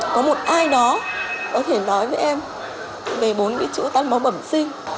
có một ai đó có thể nói với em về bốn cái chữ tàn máu bậm sinh